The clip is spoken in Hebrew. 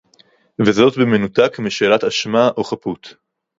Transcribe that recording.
וזאת במנותק משאלת אשמה או חפות